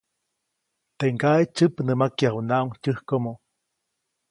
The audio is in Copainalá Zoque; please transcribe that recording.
Teʼ ŋgaʼe tsyäpnämakyajunaʼuŋ tyäjkomo.